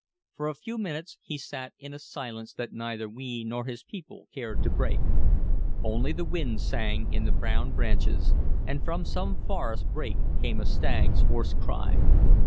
For a few minutes he sat in a silence that neither we nor his people cared to break. Only the wind sang in the brown branches, and from some forest brake came a stag's hoarse cry.